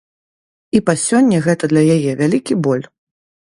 І па сёння гэта для яе вялікі боль.